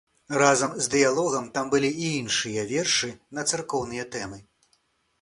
Разам з дыялогам там былі і іншыя вершы на царкоўныя тэмы.